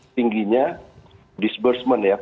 tingginya disbursement ya pencairan